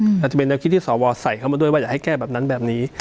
อาจจะเป็นแนวคิดที่สวใส่เข้ามาด้วยว่าอยากให้แก้แบบนั้นแบบนี้